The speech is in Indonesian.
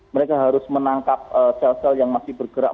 mereka harus menangkap sel sel yang masih bergerak